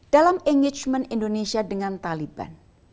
dalam engagement indonesia dengan taliban